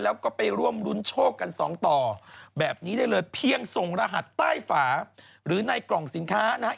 แล้วก็ไปร่วมรุ้นโชคกันสองต่อแบบนี้ได้เลยเพียงส่งรหัสใต้ฝาหรือในกล่องสินค้านะฮะ